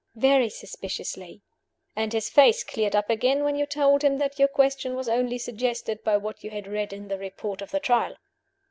"Very suspiciously." "And his face cleared up again when you told him that your question was only suggested by what you had read in the Report of the Trial?"